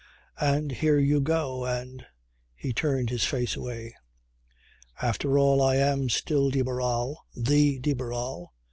And here you go and ..." He turned his face away. "After all I am still de Barral, the de Barral.